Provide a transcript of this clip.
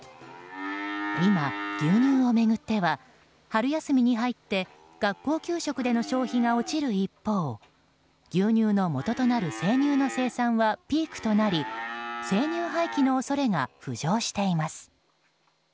今、牛乳を巡っては春休みに入って学校給食での消費が落ちる一方牛乳のもととなる生乳の生産はピークとなり生乳廃棄の恐れが浮上しています。